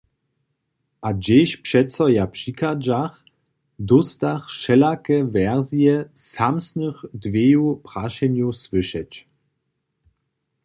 A hźež přeco ja přichadźach, dóstach wšelake werzije samsnych dweju prašenjow słyšeć.